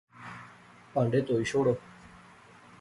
پہانڈے تہوئی شوڑو